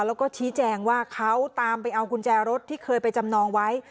แล้วก็ชี้แจงว่าเขาตามไปเอากุญแจรถที่เคยไปจำนองไว้